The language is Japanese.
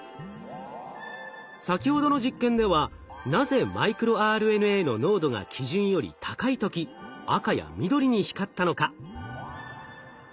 先ほどの実験ではなぜマイクロＲＮＡの濃度が基準より高い時赤や緑に光ったのか。